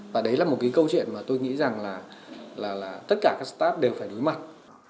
và đấy là một cái câu chuyện mà tôi nghĩ rằng là tất cả các start up đều phải đối mặt